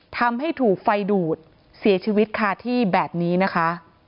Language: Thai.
ทำให้ถูกไฟดูดเสียชีวิตคาที่แบบนี้นะคะ